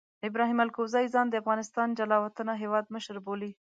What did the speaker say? ابراهیم الکوزي ځان د افغانستان جلا وطنه هیواد مشر بولي.